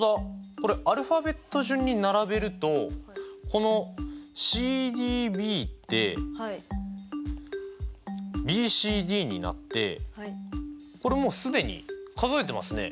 これアルファベット順に並べるとこのｃｄｂってｂｃｄになってこれもう既に数えてますね。